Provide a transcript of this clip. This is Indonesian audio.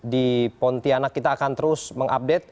di pontianak kita akan terus mengupdate